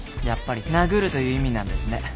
やっぱり殴るという意味なんですね。